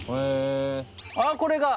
あこれが！